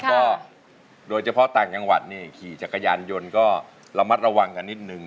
ก็โดยเฉพาะต่างจังหวัดเนี่ยขี่จักรยานยนต์ก็ระมัดระวังกันนิดนึง